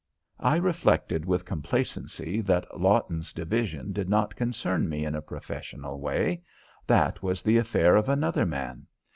I reflected with complacency that Lawton's division did not concern me in a professional way. That was the affair of another man.